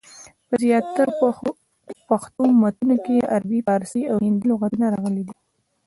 په زیاترو پښتو متونو کي دعربي، پاړسي، او هندي لغتونه راغلي دي.